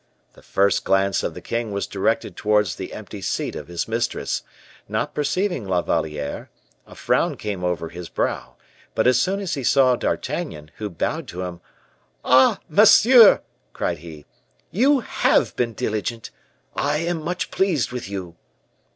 The first glance of the king was directed towards the empty seat of his mistress. Not perceiving La Valliere, a frown came over his brow; but as soon as he saw D'Artagnan, who bowed to him "Ah! monsieur!" cried he, "you have been diligent! I am much pleased with you."